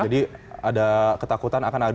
jadi ada ketakutan akan ada kesempatan